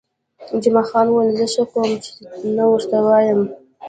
جمعه خان وویل: زه ښه کوم، چې نه ورته وایم.